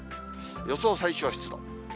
予想最小湿度。